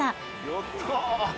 やったー。